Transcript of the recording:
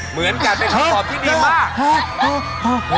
เหมือนกันเป็นคำตอบที่ดีมาก